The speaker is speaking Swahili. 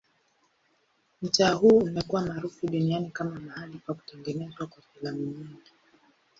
Mtaa huu umekuwa maarufu duniani kama mahali pa kutengenezwa kwa filamu nyingi.